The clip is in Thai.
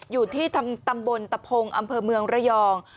อยู่ที่ตำบลตะพงอำเภอเมืองระยอง